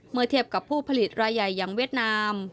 เมื่อเทียบกับผู้ผลิตรายใหญ่อย่างเวียดนาม